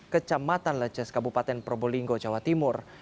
kecamatan leces kabupaten probolinggo jawa timur